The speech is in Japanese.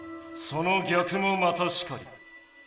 その逆もまたしかり。